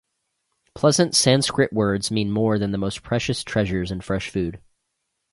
Pleasant sanskrit words mean more than the most precious treasures and fresh food.